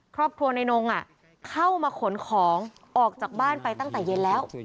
ครอบครัวในนงเข้ามาขนของออกจากบ้านไปตั้งแต่เย็นแล้ว